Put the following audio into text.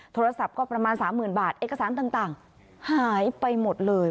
โทรศัพท์ก็ประมาณ๓๐๐๐บาทเอกสารต่างหายไปหมดเลย